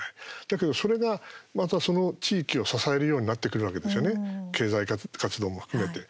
だけどそれがまたその地域を支えるようになってくるわけですよね経済活動も含めて。